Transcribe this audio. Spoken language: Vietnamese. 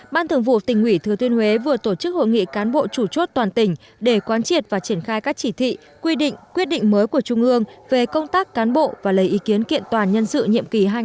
ban thường vụ tỉnh ủy thừa thiên huế vừa tổ chức hội nghị cán bộ chủ chốt toàn tỉnh để quan triệt và triển khai các chỉ thị quy định quyết định mới của trung ương về công tác cán bộ và lấy ý kiến kiện toàn nhân sự nhiệm kỳ hai nghìn hai mươi hai nghìn hai mươi năm